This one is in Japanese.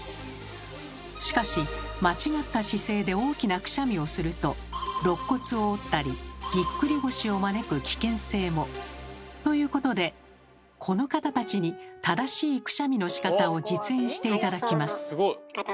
しかし間違った姿勢で大きなくしゃみをするとろっ骨を折ったりぎっくり腰を招く危険性も。ということでこの方たちに正しいくしゃみのしかたを実演して頂きます。